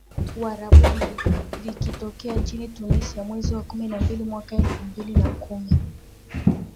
Uarabuni likitokea nchini Tunisia mwezi wa kumi na mbili mwaka elfu mbili na kumi